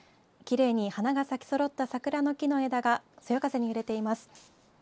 きれいに花が咲きそろった桜の木の枝がそよ風に揺れています。